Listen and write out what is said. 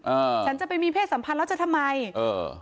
อ่าฉันจะไปมีเพศสัมพันธ์แล้วจะทำไมเออ